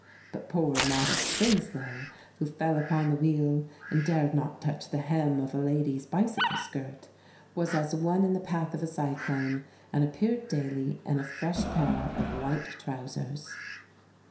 But poor modest Winslow, who fell upon the wheel and dared not touch the hem of a lady's bicycle skirt, was as one in the path of a cyclone, and appeared daily in a fresh pair of white trousers.